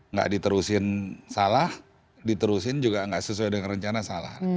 nggak diterusin salah diterusin juga nggak sesuai dengan rencana salah